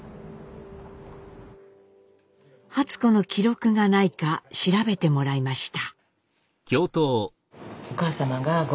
初子の記録がないか調べてもらいました。